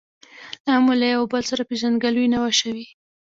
لا مو له یو او بل سره پېژندګلوي نه وه شوې.